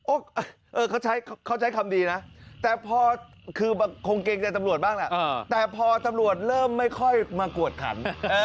เขาใช้เขาใช้คำดีนะแต่พอคือคงเกรงใจตำรวจบ้างแหละแต่พอตำรวจเริ่มไม่ค่อยมากวดขัน